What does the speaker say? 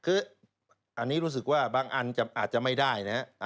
คืออันนี้รู้สึกว่าบางอันอาจจะไม่ได้นะฮะ